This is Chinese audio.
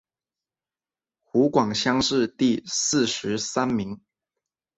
湖广乡试第四十三名。